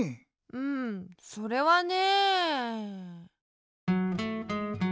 うんそれはね。